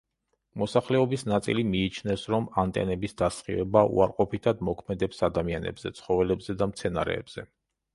მოსახლეობის ნაწილი მიიჩნევს, რომ ანტენების დასხივება უარყოფითად მოქმედებს ადამიანებზე, ცხოველებზე და მცენარეებზე.